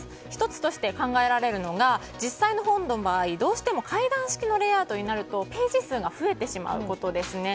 １つとして考えられるのが実際の本の場合どうしても階段式のレイアウトになるとページ数が増えてしまうことですね。